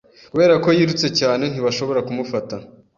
Kubera ko yirutse cyane, ntibashobora kumufata.